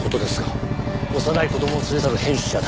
幼い子供を連れ去る変質者だ。